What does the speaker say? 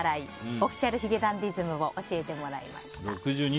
Ｏｆｆｉｃｉａｌ髭男ｄｉｓｍを教えてもらいました。